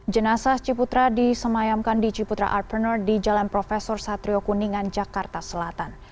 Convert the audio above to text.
jenasa ciputra disemayamkan di ciputra arpuner di jalan profesor satrio kuningan jakarta selatan